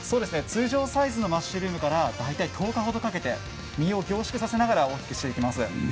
通常サイズのマッシュルームから１０日ほどかけて身を凝縮させながら大きくさせていきます。